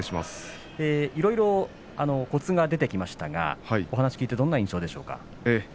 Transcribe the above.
いろいろコツが出てきましたがお話を聞いてどんな印象ですか。